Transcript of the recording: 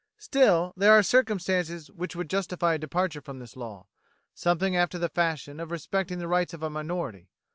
Still, there are circumstances which would justify a departure from this law something after the fashion of respecting the rights of a minority.